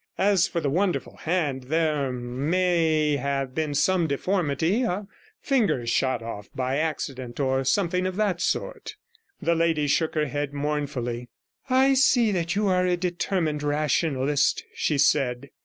As for the wonderful hand, there may have been some deformity, a finger shot off by accident, or something of that sort.' The lady shook her head mournfully. 'I see you are a determined rationalist,' she said.